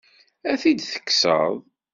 Ad t-id-tekkseḍ?